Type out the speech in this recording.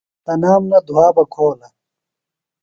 تنام نہ دُھا بہ کھولہ۔